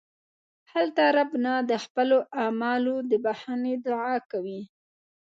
هلته رب نه د خپلو اعمالو د بښنې دعا کوئ.